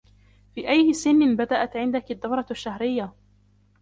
في أي سن بدأت عندك الدورة الشهرية؟